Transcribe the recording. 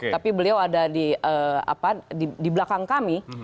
tapi beliau ada di belakang kami